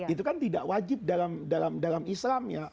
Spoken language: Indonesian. itu kan tidak wajib dalam islam ya